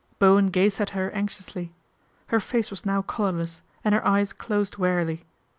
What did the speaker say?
Bowen gazed at her anxiously. Her face was now colourless, and her eyes closed wearily.